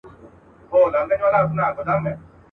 ګوره وي او که به نه وي دلته غوږ د اورېدلو.